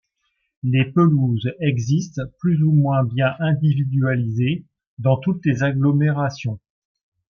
Les pelouses existent, plus ou moins bien individualisées, dans toutes les agglomérations.